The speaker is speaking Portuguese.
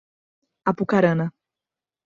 Apucarana